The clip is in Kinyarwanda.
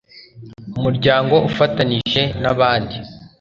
umuryango afatanije nabandi